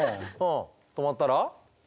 止まったら？